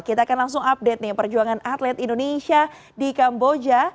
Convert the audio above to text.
kita akan langsung update nih perjuangan atlet indonesia di kamboja